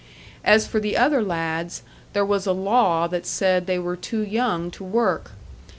As for the other lads, there was a law that said they were too young to work.